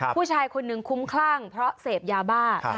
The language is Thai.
ผู้ชายคนหนึ่งคุ้มคลั่งเพราะเสพยาบ้า